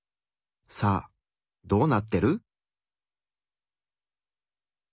さあどうなってる？